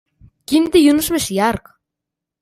Quin dilluns més llarg!